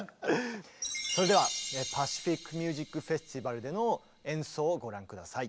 それではパシフィック・ミュージック・フェスティバルでの演奏をご覧下さい。